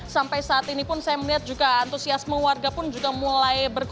sampai saat ini pun saya melihat juga antusiasme warga pun juga mulai berkurang